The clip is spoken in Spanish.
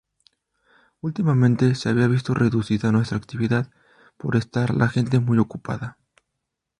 Últimamente se había visto reducida nuestra actividad, por estar la gente muy ocupada.